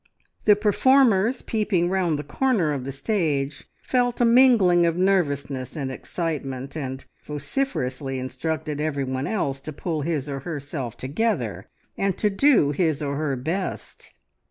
The performers peeping round the corner of the stage felt a mingling of nervousness and excitement, and vociferously instructed every one else to pull his or her self together, and do his or her best.